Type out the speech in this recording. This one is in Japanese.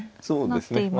そうですね。